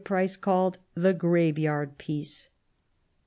Preiss called " the graveyard Peace."